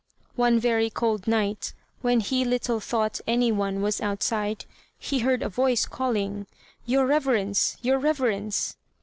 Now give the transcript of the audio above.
One very cold night, when he little thought any one was outside, he heard a voice calling, "Your reverence! your reverence!"